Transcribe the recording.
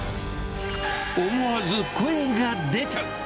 思わず声が出ちゃう。